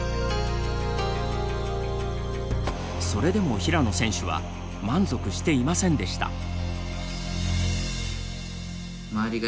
それでも平野選手は満足していませんでした。